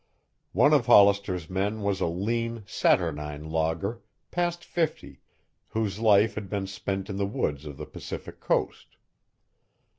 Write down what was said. One of Hollister's men was a lean, saturnine logger, past fifty, whose life had been spent in the woods of the Pacific Coast.